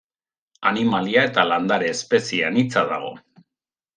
Animalia eta landare espezie anitza dago.